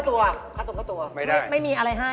ตอบทฤทธิ์เถอะพี่โรง